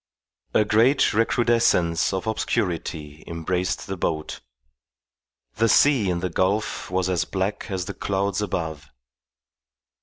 A great recrudescence of obscurity embraced the boat. The sea in the gulf was as black as the clouds above.